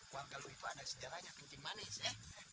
uang kamu itu ada di sejarahnya mungkin manis ya